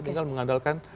kalau di mana mana